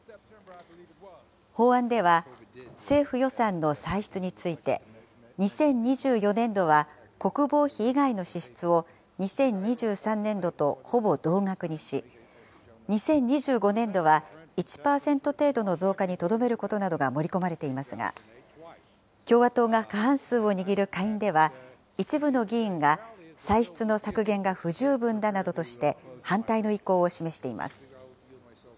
法案では、政府予算の歳出について、２０２４年度は国防費以外の支出を２０２３年度とほぼ同額にし、２０２５年度は１％程度の増加にとどめることなどが盛り込まれていますが、共和党が過半数を握る下院では、一部の議員が歳出の削減が不十分だなどとして、反対の意向を示しています。